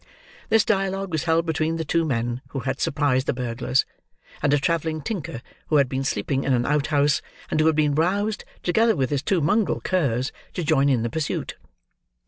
This dialogue was held between the two men who had surprised the burglars, and a travelling tinker who had been sleeping in an outhouse, and who had been roused, together with his two mongrel curs, to join in the pursuit.